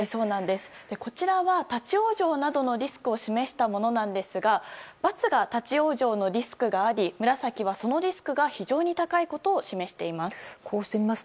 こちらは立ち往生などのリスクを示したものなんですが×が立ち往生のリスクがあり紫はそのリスクが非常に高いことを示しています。